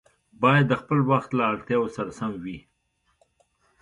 باید د خپل وخت له اړتیاوو سره سم وي.